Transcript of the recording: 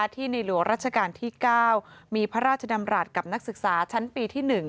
ที่ในหลวงราชการที่๙มีพระราชดำรัฐกับนักศึกษาชั้นปีที่๑